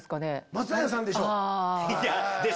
松平さんでしょう。